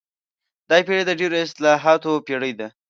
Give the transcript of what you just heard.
دا پېړۍ د ډېرو اصطلاحاتو پېړۍ ده.